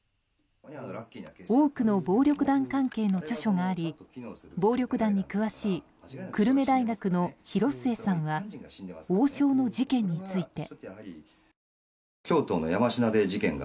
多くの暴力団関係の著書があり暴力団に詳しい久留米大学の廣末さんは王将の事件について。